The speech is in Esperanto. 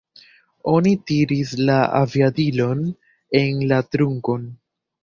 Oni tiris la aviadilon en la trunkon.